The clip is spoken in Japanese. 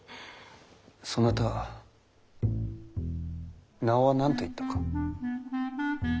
そなた名は何と言ったか。